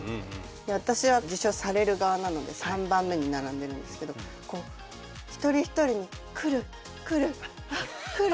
私は授賞される側なので３番目に並んでるんですけど一人一人に来る来るあっ来る！